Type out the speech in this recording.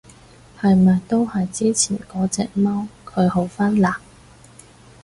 係咪都係之前嗰隻貓？佢好返嘞？